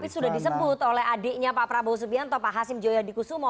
tapi sudah disebut oleh adiknya pak prabowo subianto pak hasim joya dikusumo